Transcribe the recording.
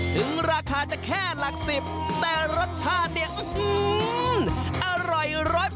ถึงราคาจะแค่หลัก๑๐แต่รสชาติเนี่ยอร่อย๑๐๐